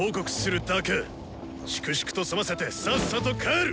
粛々と済ませてさっさと帰る！